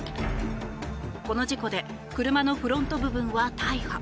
この事故で車のフロント部分は大破。